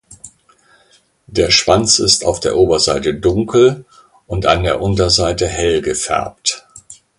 Der Schwanz ist auf der Oberseite dunkel und an der Unterseite hell gefärbt.